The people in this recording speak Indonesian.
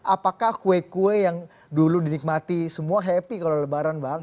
apakah kue kue yang dulu dinikmati semua happy kalau lebaran bang